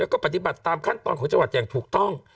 แล้วก็ปฏิบัติตามขั้นตอนของจังหวัดอย่างถูกต้อง